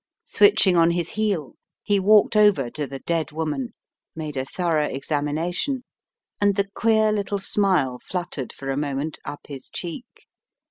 Switching on his heel, he walked over to the dead woman, made a thorough examination, and the queer little smile fluttered for a moment up his cheek.